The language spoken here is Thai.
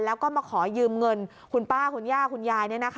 แล้วก็มาขอยืมเงินคุณป้าคุณย่าคุณยาย